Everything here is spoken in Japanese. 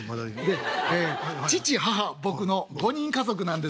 で父母僕の５人家族なんですけども。